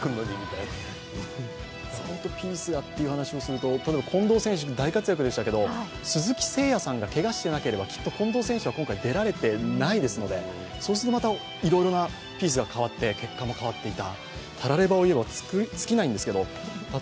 いろんなピースと言われますけれども、例えば近藤選手も大活躍でしたけれども、鈴木誠也選手がけがをしていなければきっと近藤選手は今回出られていないですのでそうすると、またいろいろなピースが変わって結果も変わっていた。